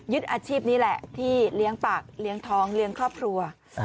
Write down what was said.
อาชีพนี้แหละที่เลี้ยงปากเลี้ยงท้องเลี้ยงครอบครัว